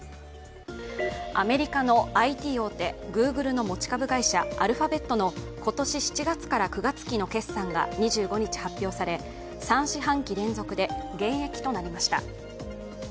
アメリカのＩＴ大手、グーグルの持ち株会社、アルファベットの今年７月から９月期の決算が２５日発表され３四半期連続で減益となりました。